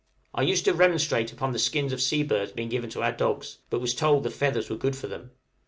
I used to remonstrate upon the skins of sea birds being given to our dogs, but was told the feathers were good for them!